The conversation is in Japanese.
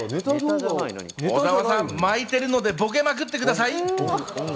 小澤さん、巻いてるので、ボケまくってください。